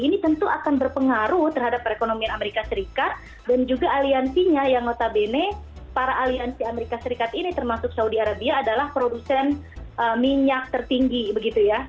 ini tentu akan berpengaruh terhadap perekonomian amerika serikat dan juga aliansinya yang notabene para aliansi amerika serikat ini termasuk saudi arabia adalah produsen minyak tertinggi begitu ya